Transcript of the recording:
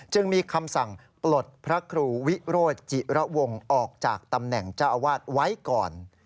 จึงมีคำสั่งปลดพระครูวิโรธจิระวงออกจากตำแหน่งเจ้าอาวาสไว้ก่อน